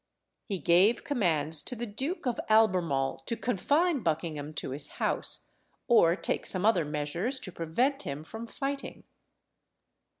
He gave commands to the Duke of Albemarle to confine Buckingham to his house, or take some other measures to prevent him from fighting.